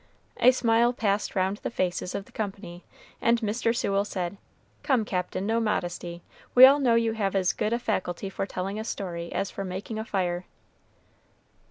A smile passed round the faces of the company, and Mr. Sewell said, "Come, Captain, no modesty; we all know you have as good a faculty for telling a story as for making a fire."